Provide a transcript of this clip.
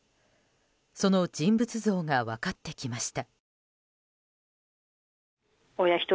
その人物像が分かってきました。